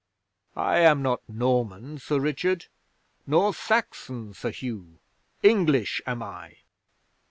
I am not Norman, Sir Richard, nor Saxon, Sir Hugh. English am I."